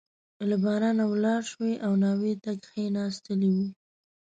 له بارانه ولاړ شوی او ناوې ته کښېنستلی وو.